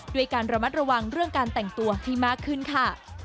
ด้วยการระมัดระวังเรื่องการแต่งตัวให้มากขึ้นค่ะ